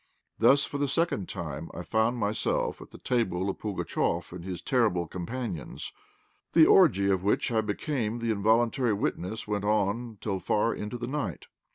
Thus for the second time I found myself at the table of Pugatchéf and his terrible companions. The orgy of which I became the involuntary witness went on till far into the night.